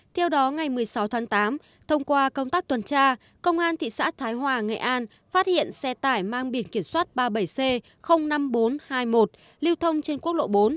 theo đó ngày một mươi sáu tháng tám thông qua công tác tuần tra công an thị xã thái hòa nghệ an phát hiện xe tải mang biển kiểm soát ba mươi bảy c năm nghìn bốn trăm hai mươi một lưu thông trên quốc lộ bốn